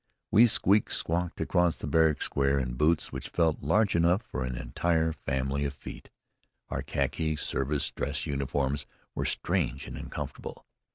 We squeak squawked across the barrack square in boots which felt large enough for an entire family of feet. Our khaki service dress uniforms were strange and uncomfortable.